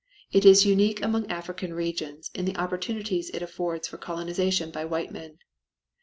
It is unique among African regions in the opportunities it affords for colonization by white men.